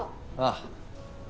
ああ。